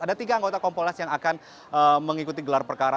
ada tiga anggota kompolnas yang akan mengikuti gelar perkara